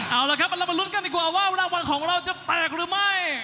เอาละครับเรามาลุ้นกันดีกว่าว่ารางวัลของเราจะแตกหรือไม่